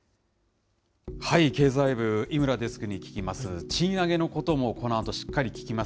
経済部、井村デスクに聞きます。